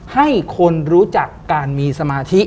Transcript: ให้คนรู้จักการมีสมาธิ